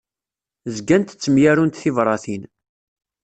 Zgant ttemyarunt tibratin.